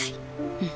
うん。